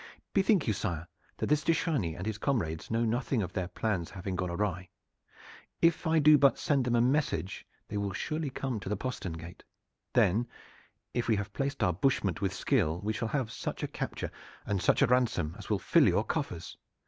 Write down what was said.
Bethink you, sire, that this de Chargny and his comrades know nothing of their plans having gone awry. If I do but send them a message they will surely come to the postern gate. Then, if we have placed our bushment with skill we shall have such a capture and such a ransom as will fill your coffers.